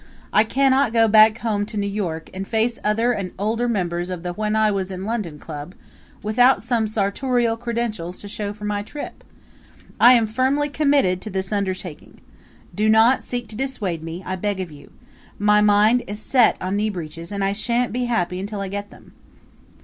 I cannot go back home to New York and face other and older members of the When I Was in London Club without some sartorial credentials to show for my trip. I am firmly committed to this undertaking. Do not seek to dissuade me, I beg of you. My mind is set on knee breeches and I shan't be happy until I get them."